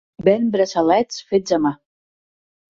Ven braçalets fets a mà.